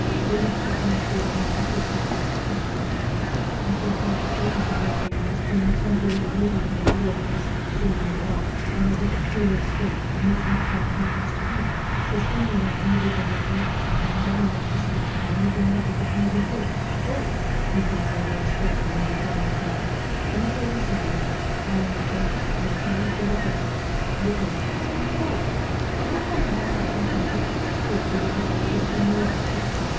They wished to transport the mind to a sense of its possible greatness, and to implant the germs of that greatness during the temporary oblivion of the worthless "thing, we are" and of the peculiar state, in which each man happens to be; suspending our individual recollections and lulling them to sleep amid the music of nobler thoughts. Hold! (methinks I hear the spokesman of the crowd reply, and we will listen to him. I am the plaintiff, and he the defendant.) DEFENDANT. Hold! are not our modern sentimental plays filled with the best Christian morality?